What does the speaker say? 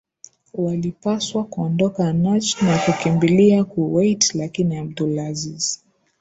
walipaswa kuondoka Najd na kukimbilia Kuwait Lakini Abdul Aziz